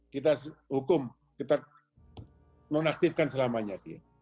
kita hukum kita nonaktifkan selamanya